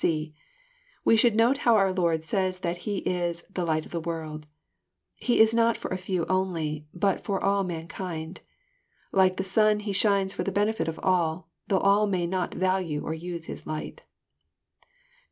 (c) We should note how our Lord says that He is the light of the world." He is not for a few only, but for all mankind. Xike the sun He shines for the benefit of all, though all may not Talue or use His light.